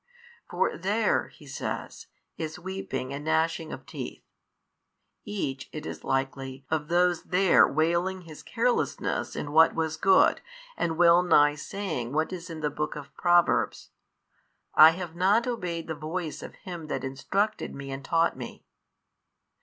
For there (He says) is weeping and gnashing of teeth, each (it is likely) of those there wailing his carelessness in what was good, and well nigh saying what is in the Book of Proverbs, I have not obeyed the voice of him that instructed me and taught me.